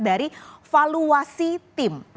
dari valuasi tim